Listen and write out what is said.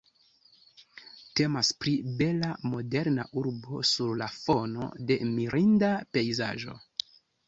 Temas pri bela, moderna urbo sur la fono de mirinda pejzaĝo.